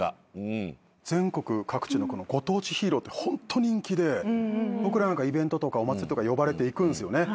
全国各地のご当地ヒーローってホント人気で僕らイベントとかお祭りとか呼ばれて行くんですよね。